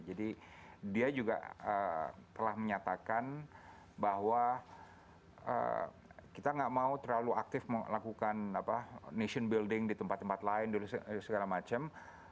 jadi dia juga telah menyatakan bahwa kita tidak mau terlalu aktif melakukan nation building di tempat tempat lain segala macam